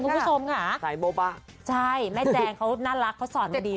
คุณผู้ชมค่ะสายโบบะใช่แม่แจงเขาน่ารักเขาสอนจะดี